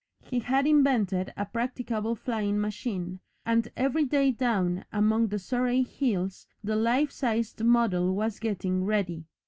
He had invented a practicable flying machine, and every day down among the Surrey hills the life sized model was getting ready.